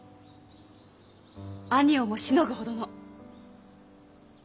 兄をもしのぐほどの。